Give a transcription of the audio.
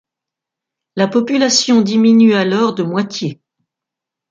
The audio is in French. La population diminue alors de moitié.